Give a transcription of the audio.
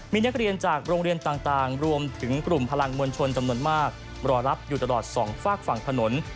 มีนักเรียนจากโรงเรียนต่างรวมถึงกลุ่มพลังมวลชนจำนวนมากรอรับอยู่ตลอดสองฝากฝั่งถนน